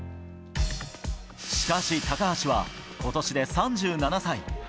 しかし、高橋はことしで３７歳。